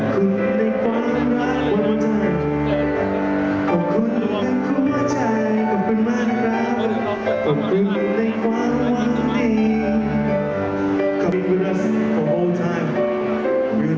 ขอบคุณในความรักขอบคุณในหัวใจขอบคุณมากขอบคุณในความหวังดี